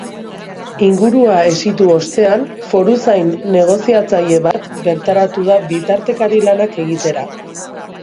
Ingurua hesitu ostean, foruzain negoziatzaile bat bertaratu da bitartekari lanak egitera.